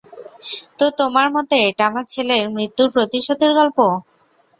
তো তোমার মতে এটা আমার ছেলের মৃত্যুর প্রতিশোধের গল্প?